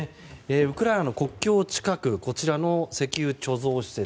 ウクライナの国境近く石油貯蔵施設。